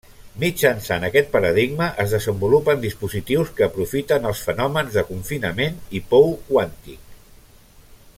Mitjançant aquest paradigma es desenvolupen dispositius que aprofiten els fenòmens de confinament i pou quàntic.